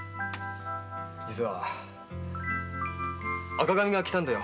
実は赤紙が来たんだよ